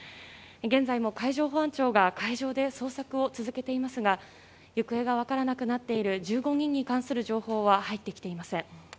現在も海上保安庁が海上で捜索を続けていますが行方が分からなくなっている１５人に関する情報は入ってきていません。